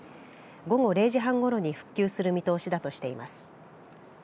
午後０時半ごろに復旧する見通しだとしています。